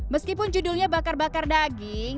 meskipun judulnya bakar bakar daging